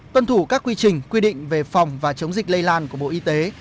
tuân thủ các quy trình quy định về phòng và chống dịch lây lan của bộ y tế